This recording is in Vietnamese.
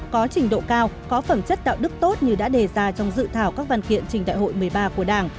có trình độ cao có phẩm chất đạo đức tốt như đã đề ra trong dự thảo các văn kiện trình đại hội một mươi ba của đảng